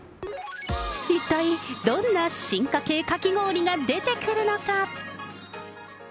一体、どんな進化系かき氷が出てくるのか。